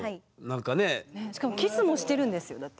しかもキスもしてるんですよだって。